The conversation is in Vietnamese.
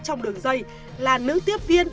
trong đường dây là nữ tiếp viên